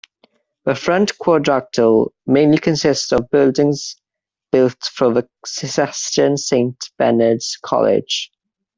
The Front Quadrangle mainly consists of buildings built for the Cistercian Saint Bernard's College.